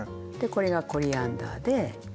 これがコリアンダーで。